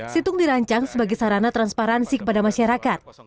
situng dirancang sebagai sarana transparansi kepada masyarakat